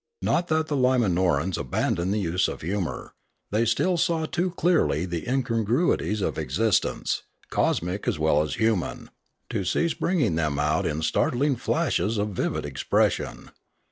Not that the Limanorans abandoned the use of humour; they still saw too clearly the incongruities of existence, cosmic as well as human, to cease bringing them out in startling flashes of vivid expression.